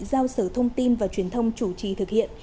giao sở thông tin và truyền thông chủ trì thực hiện